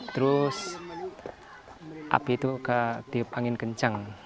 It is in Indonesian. terus api itu ketiup angin kencang